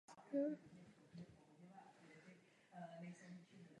Uplatňují se při tom příslušné regulační mechanismy.